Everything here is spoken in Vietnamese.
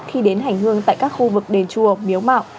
khi đến hành hương tại các khu vực đền chùa miếu mạo